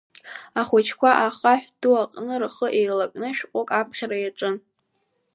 Ахәыҷқәа ахахә ду аҟны рхы еилакны шәҟәык аԥхьара иаҿын.